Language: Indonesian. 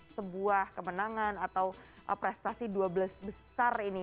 sebuah kemenangan atau prestasi dua belas besar ini